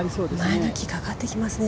前の木かかってきますね